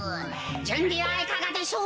じゅんびはいかがでしょうか？